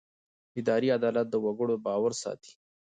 اداري عدالت د وګړو باور ساتي.